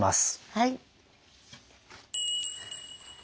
はい。